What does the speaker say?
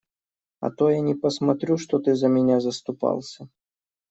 А то я не посмотрю, что ты за меня заступался.